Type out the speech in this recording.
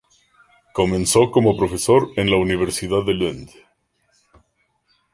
Comenzó como profesor en la Universidad de Lund.